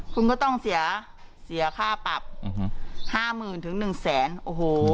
คุณก็ต้องเสียค่าปรับ๕๐๐๐๐ถึง๑๐๐๐๐๐โอ้โห